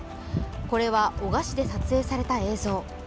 これは男鹿市で撮影された映像。